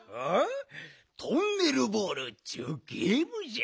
トンネルボールっちゅうゲームじゃ。